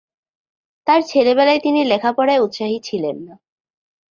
তার ছেলেবেলায় তিনি লেখাপড়ায় উৎসাহী ছিলেন না।